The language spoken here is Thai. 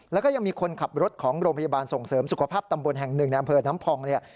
แล้วก็ยังมีคนขับรถของโรงพยาบาลส่งเสริมสุขภาพตำบลแห่งหนึ่งในอำเภอน้ำพองเนี่ย